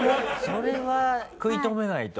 それは食い止めないと。